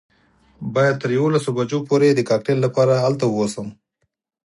باید تر یوولسو بجو پورې د کاکټیل لپاره هلته ووسم.